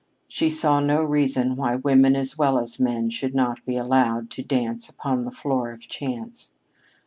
She saw no reason why women as well as men should not be allowed to "dance upon the floor of chance."